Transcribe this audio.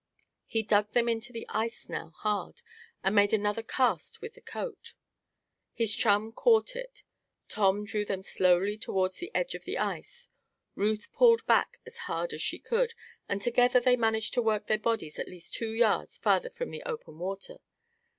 He dug them into the ice now hard, and made another cast with the coat. His chum caught it. Tom drew them slowly toward the edge of the ice. Ruth pulled back as hard as she could, and together they managed to work their bodies at least two yards farther from the open water.